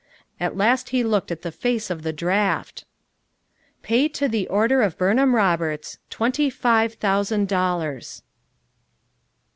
At last he looked at the face of the draft, "Pay to the order of Burnham Roberts twenty five thousand dollars.